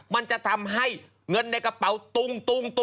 มันจะทำให้เงินในกระเป๋าตุ้ง